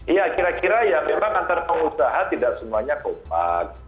iya kira kira ya memang antar pengusaha tidak semuanya kompak